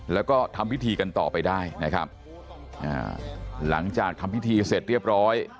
แล้วก็ทำพิธีกันต่อไปได้นะครับอ่าหลังจากทำพิธีเสร็จเรียบร้อย